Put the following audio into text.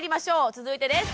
続いてです。